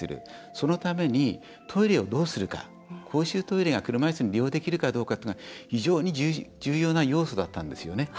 そのために、トイレをどうするか公衆トイレが車いすも利用できるかどうかっていうのは非常に重要な要素だったんですよね。